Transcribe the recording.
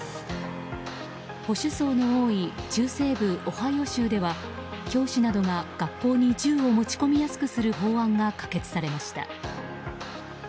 保守層の多い中西部オハイオ州では教師などが学校に銃を持ち込みやすくする法案が可決されました。